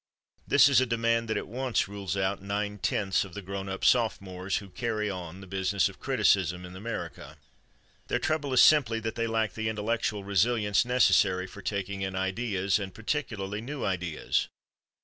This is a demand that at once rules out nine tenths of the grown up sophomores who carry on the business of criticism in America. Their trouble is simply that they lack the intellectual resilience necessary for taking in ideas, and particularly new ideas.